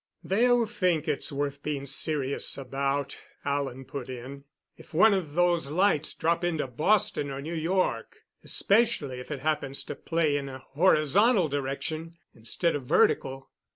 "They'll think it is worth being serious about," Alan put in, "if one of those lights drop into Boston or New York especially if it happens to play in a horizontal direction instead of vertical."